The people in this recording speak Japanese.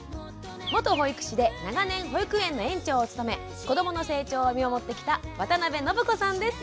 元保育士で長年保育園の園長を務め子どもの成長を見守ってきた渡邊暢子さんです。